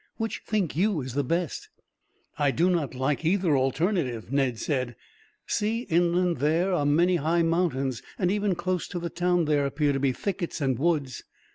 Which think you is the best?" "I do not like either alternative," Ned said. "See, inland there are many high mountains, and even close to the town there appear to be thickets and woods.